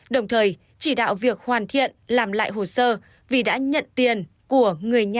đồng thời chỉ đạo việc hoàn thiện làm lại hồ sơ vì đã nhận tiền của người nhà